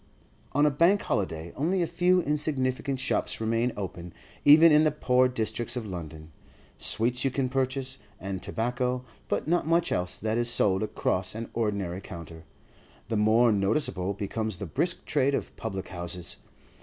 On a Bank holiday only a few insignificant shops remain open even in the poor districts of London; sweets you can purchase, and tobacco, but not much else that is sold across an ordinary counter. The more noticeable becomes the brisk trade of public houses.